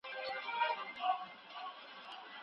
تر منزله به مزل وي پور دي پاته پر ازل وي